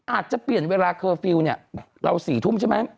อาจจะเปลี่ยนเวลาเคอร์ฟิลล์เนี่ยเรา๔ทุ่มใช่ไหม